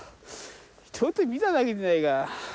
ちょっと見ただけじゃないか。